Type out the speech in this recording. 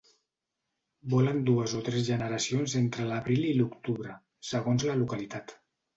Vola en dues o tres generacions entre l'abril i l'octubre, segons la localitat.